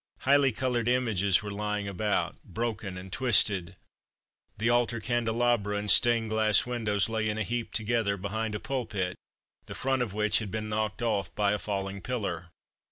Highly coloured images were lying about, broken and twisted. The altar candelabra and stained glass windows lay in a heap together behind a pulpit, the front of which had been knocked off by a falling pillar.